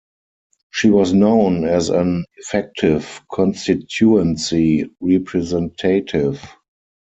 She was known as an effective constituency representative.